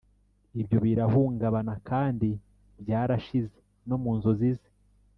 ibyo birahungabana kandi byarashize; no mu nzozi ze